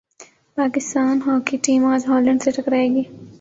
Pakistan hockey team اج Holland سے ٹکرا ئے گی